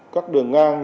các đường ngang